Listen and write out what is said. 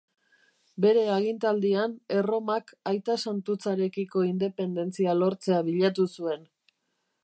Bere agintaldian Erromak aitasantutzarekiko independentzia lortzea bilatu zuen.